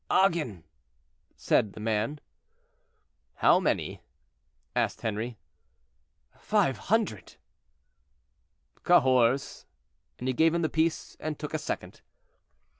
"Agen," said the man. "How many?" asked Henri. "Five hundred." "Cahors;" and he gave him the piece and took a second.